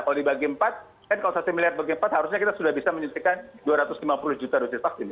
kalau dibagi empat kan kalau satu miliar bagi empat harusnya kita sudah bisa menyuntikkan dua ratus lima puluh juta dosis vaksin